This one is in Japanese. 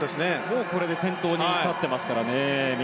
これで先頭に立ってますからね。